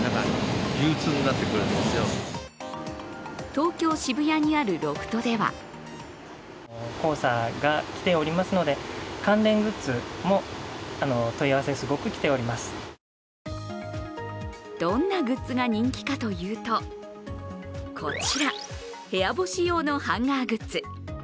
東京・渋谷にあるロフトではどんなグッズが人気かというとこちら、部屋干し用のハンガーグッズ。